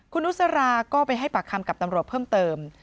คุณนุสราก็ไปให้ปากคำกับตำรวจเพิ่มเติม